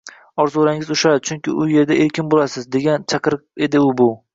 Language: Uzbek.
orzularingiz ushaladi, chunki u yerda erkin bo‘lasiz!» — degan chaqiriq edi bu.